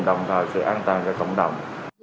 đồng thời sự an toàn cho cộng đồng